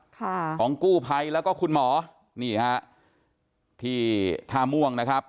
ของกู้ภัยแล้วก็คุณหมอนี่ฮะที่ท่าม่วงนะครับ